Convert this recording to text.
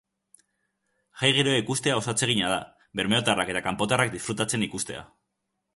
Jai giroa ikustea oso atsegina da, bermeotarrak eta kanpotarrak disfrutatzen ikustea.